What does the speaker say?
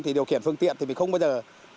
thì điều khiển phương tiện thì mình không bao giờ